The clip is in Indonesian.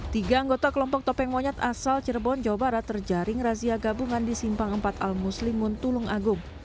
tiga anggota kelompok topeng monyet asal cirebon jawa barat terjaring razia gabungan di simpang empat al muslimun tulung agung